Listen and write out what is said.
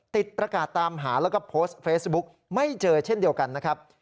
ประกาศตามหาแล้วก็โพสต์เฟซบุ๊กไม่เจอเช่นเดียวกันนะครับ